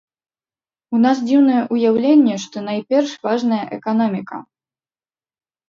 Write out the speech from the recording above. У нас дзіўнае ўяўленне, што найперш важная эканоміка.